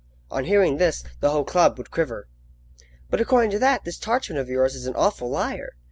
On hearing this, the whole club would quiver. "But according to that, this Tartarin of yours is an awful liar."